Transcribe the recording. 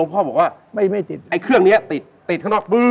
พ่อก็บอกว่าเครื่องเนี้ยติดติดข้างนอก